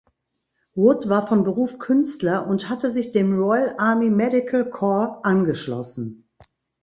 Wood war von Beruf Künstler und hatte sich dem Royal Army Medical Corps angeschlossen.